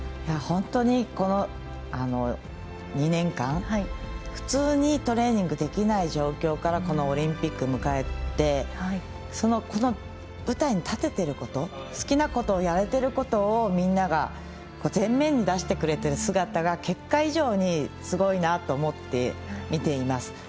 本当に、この２年間普通にトレーニングできない状況からこのオリンピックを迎えてこの舞台に立てていること好きなことをやれていることをみんなが前面に出してくれている姿を結果以上にすごいなと思って見ています。